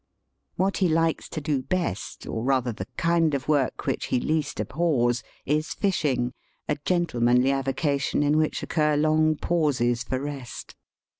What he likes to do best, or rather the kind of work which he least abhors, is fishing, a gentle manly avocation in which occur long pauses for rest.